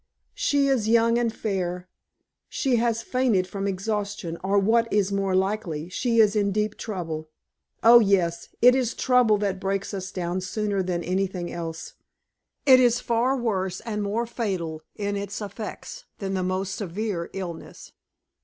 She is young and fair. She has fainted from exhaustion, or what is more likely, she is in deep trouble. Oh, yes, it is trouble that breaks us down sooner than anything else! It is far worse and more fatal in its effects than the most severe illness.